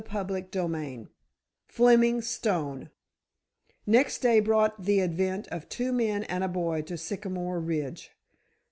CHAPTER XI FLEMING STONE Next day brought the advent of two men and a boy to Sycamore Ridge.